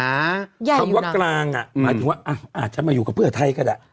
คำว่ากลางอ่ะหมายถึงว่าอาจจะมาอยู่กับเพื่อไทยก็ได้